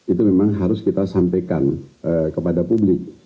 itu memang harus kita sampaikan kepada publik